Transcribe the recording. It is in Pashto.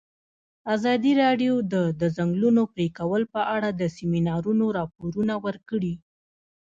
ازادي راډیو د د ځنګلونو پرېکول په اړه د سیمینارونو راپورونه ورکړي.